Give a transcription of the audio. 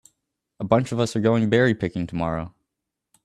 A bunch of us are going berry picking tomorrow.